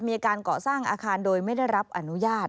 มีการก่อสร้างอาคารโดยไม่ได้รับอนุญาต